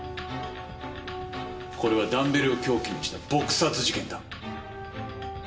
これはダンベルを凶器にした撲殺事件だ。